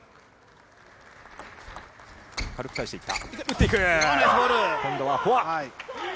軽く返していった。